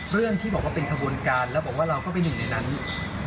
เรื่องที่บอกว่าเป็นขบวนการแล้วบอกว่าเราก็เป็นหนึ่งในนั้น